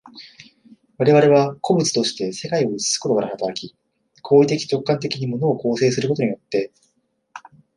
我々は個物として世界を映すことから働き、行為的直観的に物を構成することによって、